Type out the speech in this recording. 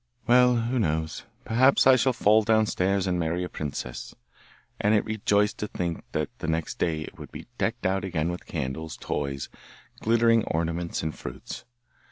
'Well, who knows? Perhaps I shall fall downstairs and marry a princess.' And it rejoiced to think that next day it would be decked out again with candles, toys, glittering ornaments, and fruits.